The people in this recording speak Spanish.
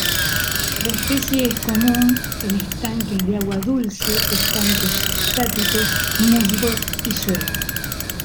La especie es común en estanques de agua dulce, estanques estáticos, musgos y suelos.